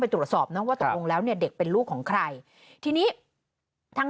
ตรวจสอบนะว่าตกลงแล้วเนี่ยเด็กเป็นลูกของใครทีนี้ทาง